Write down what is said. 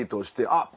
あっ！